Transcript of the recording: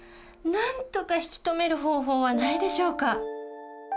なんとか引き止める方法はないでしょうか？